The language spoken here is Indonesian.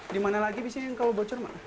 di mana lagi bisa yang kalau bocor pak